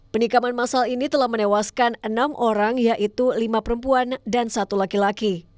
penikaman masal ini telah menewaskan enam orang yaitu lima perempuan dan satu laki laki